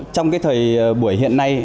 trong cái thời buổi hiện nay